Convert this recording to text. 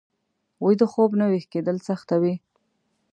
ویده خوب نه ويښ کېدل سخته وي